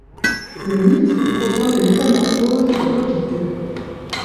Le mythe provient des métamorphoses d’Ovide.